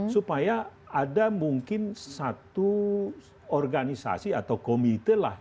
supaya ada mungkin satu organisasi atau komite lah